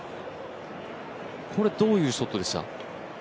これはどういうショットでした？